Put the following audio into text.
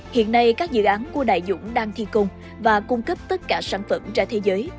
hiện nay các dự án của đại dũng đang thi công và cung cấp tất cả sản phẩm ra thế giới